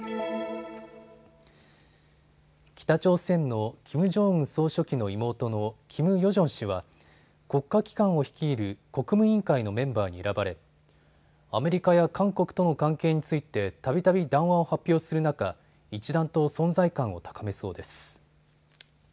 北朝鮮のキム・ジョンウン総書記の妹のキム・ヨジョン氏は国家機関を率いる国務委員会のメンバーに選ばれアメリカや韓国との関係についてたびたび談話を発表する中、一段と存在感を高めそうです。